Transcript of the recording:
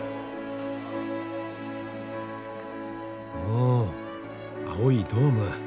お青いドーム。